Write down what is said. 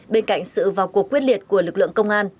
bên cạnh sự vào cuộc quyết liệt của lực lượng công an